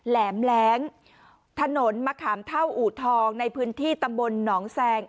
แหลมแรงถนนมะขามเท่าอูทองในพื้นที่ตำบลหนองแซง